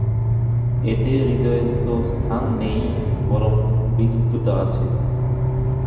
এতে হৃদয়ের তো স্থান নেই, বরং বিরুদ্ধতা আছে।